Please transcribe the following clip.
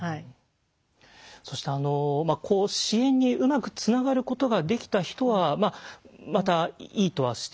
そして支援にうまくつながることができた人はまたいいとはして。